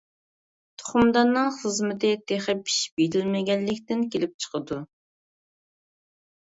تۇخۇمداننىڭ خىزمىتى تېخى پىشىپ يېتىلمىگەنلىكتىن كېلىپ چىقىدۇ.